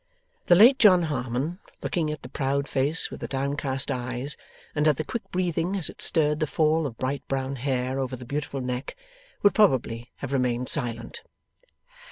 The late John Harmon, looking at the proud face with the down cast eyes, and at the quick breathing as it stirred the fall of bright brown hair over the beautiful neck, would probably have remained silent.